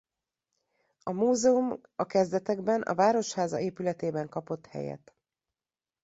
A múzeum a kezdetekben a városháza épületében kapott helyet.